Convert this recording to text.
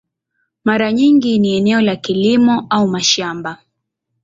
Mara nyingi ni eneo la kilimo au mashamba.